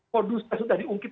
kondusinya sudah diungkit